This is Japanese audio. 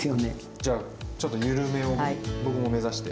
じゃちょっと緩めを僕も目指して。